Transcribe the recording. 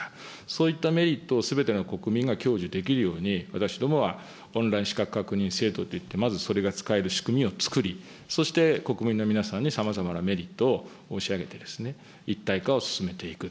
そういったメリットをすべての国民が享受できるように、私どもはオンライン資格確認制度といって、まず、それが使える仕組みをつくり、そして国民の皆さんにさまざまなメリットを申し上げてですね、一体化を進めていく。